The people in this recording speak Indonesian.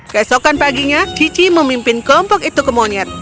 keesokan paginya cici memimpin kelompok itu ke monyet